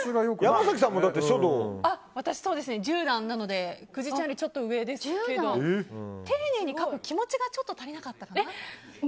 私、十段なので久慈ちゃんよりちょっと上ですけど丁寧に書く気持ちがちょっと足りなかったかな。